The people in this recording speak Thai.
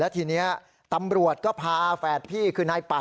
ทีนี้ตำรวจก็พาแฝดพี่คือนายปัด